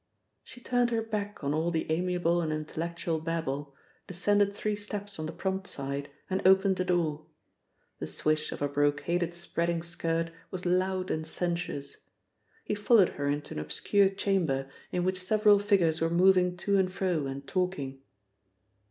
She turned her back on all the amiable and intellectual babble, descended three steps on the prompt side, and opened a door. The swish of her brocaded spreading skirt was loud and sensuous. He followed her into an obscure chamber in which several figures were moving to and fro and talking.